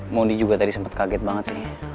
mondi juga tadi sempat kaget banget sih